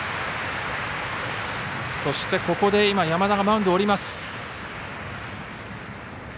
そして、ここで山田がマウンドを降ります。